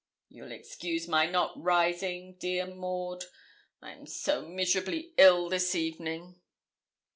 'You'll excuse my not rising, dear Maud, I am so miserably ill this evening.'